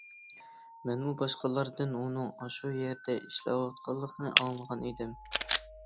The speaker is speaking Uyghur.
مەنمۇ باشقىلاردىن ئۇنىڭ ئاشۇ يەردە ئىشلەۋاتقانلىقىنى ئاڭلىغان ئىدىم.